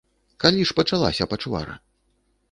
Калі ж пачалася пачвара?